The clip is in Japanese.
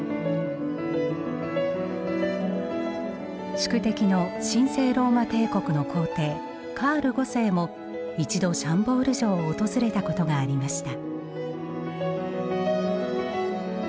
宿敵の神聖ローマ帝国の皇帝カール五世も一度シャンボール城を訪れたことがありました。